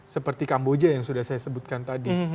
seperti kamboja yang sudah saya sebutkan tadi